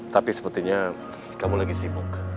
tapi sepertinya kamu lagi sibuk